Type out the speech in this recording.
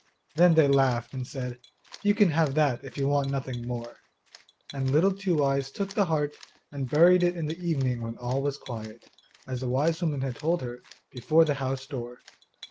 Then they laughed and said, 'You can have that if you want nothing more.' And Little Two eyes took the heart and buried it in the evening when all was quiet, as the wise woman had told her, before the house door.